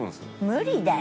無理だよ。